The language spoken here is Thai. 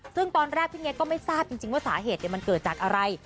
ซึ่งตอนแรกพี่เง็กก็ไม่ทราบจริงว่าสาเหตุมันเกิดจากอะไร